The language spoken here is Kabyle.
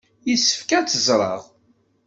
Yessefk ad tt-ẓreɣ.